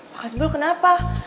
pak hasbul kenapa